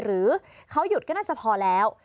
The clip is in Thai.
หรือเขาหยุดก็น่าจะพอแล้ว